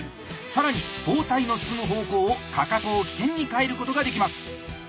更に包帯の進む方向をかかとを起点に変えることができます。